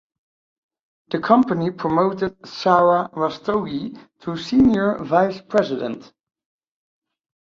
The company promoted Sara Rastogi to senior vice president.